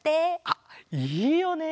あっいいよね！